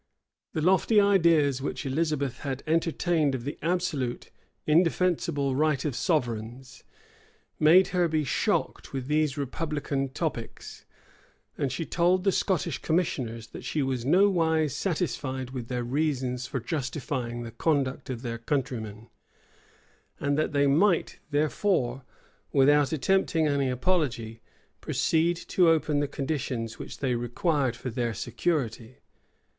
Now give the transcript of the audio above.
The lofty ideas which Elizabeth had entertained of the absolute, indefensible right of sovereigns, made her be shocked with these republican topics; and she told the Scottish commissioners, that she was no wise satisfied with their reasons for justifying the conduct of their countrymen; and that they might therefore, without attempting any apology, proceed to open the conditions which they required for their security.